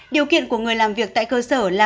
điều kiện của người làm việc tại cơ sở là